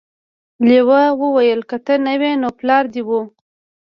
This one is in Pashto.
لیوه وویل که ته نه وې نو پلار دې و.